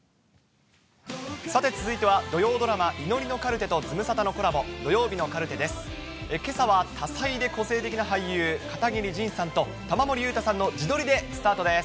さて続いては、土曜ドラマ、祈りのカルテとズムサタのコラボ、土曜日のカルテです。